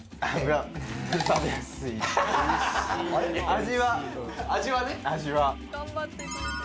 味は味は味はね